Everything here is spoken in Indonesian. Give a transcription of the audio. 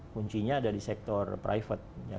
kuncinya ada di sektor private